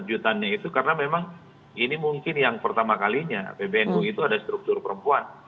kejutannya itu karena memang ini mungkin yang pertama kalinya pbnu itu ada struktur perempuan